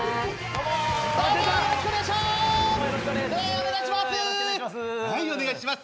お願いします。